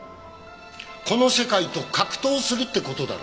この世界と格闘するって事だろ。